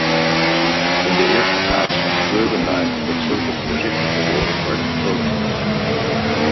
In de eerste plaats betreuren wij dat zulke voorzichtige woorden werden gekozen.